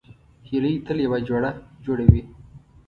هیلۍ تل یو جوړه جوړوي